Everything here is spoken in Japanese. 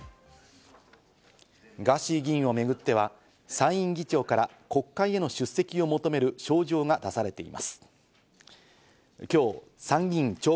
ガーシー議員をめぐっては参院議長から国会への出席を求める招状が出されています。